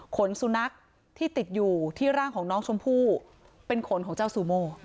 ขนสุนัขที่ติดอยู่ที่ร่างของน้องชมพู่เป็นขนของเจ้าซูโม